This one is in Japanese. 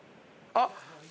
あっ！